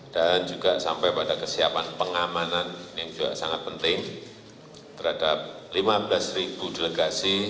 dan juga sampai pada kesiapan pengamanan yang juga sangat penting terhadap lima belas delegasi